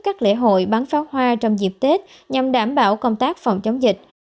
các lễ hội bắn pháo hoa trong dịp tết nhằm đảm bảo công tác phòng chống dịch